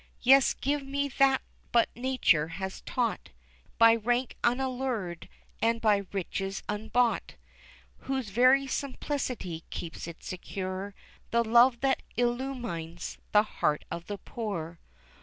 Yes, give me that but Nature has taught, By rank unallured and by riches unbought; Whose very simplicity keeps it secure The love that illumines the heart of the poor.